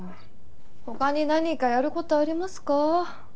他に何かやる事ありますか？